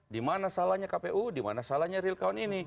dimana salahnya kpu dimana salahnya real account ini